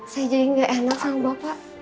saya jadi nggak enak sama bapak